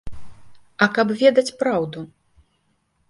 А каб ведаць праўду.